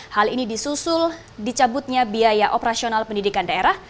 hal ini disusul dicabutnya biaya operasional pendidikan daerah